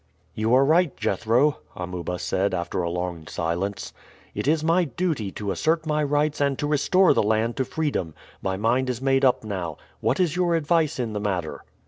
"You are right, Jethro," Amuba said after a long silence; "it is my duty to assert my rights and to restore the land to freedom. My mind is made up now. What is your advice in the matter?"